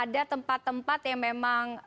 ada tempat tempat yang memang